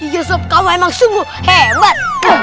iya sob kamu emang sungguh hebat